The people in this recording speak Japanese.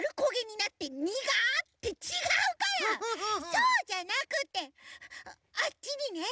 そうじゃなくてあっちにね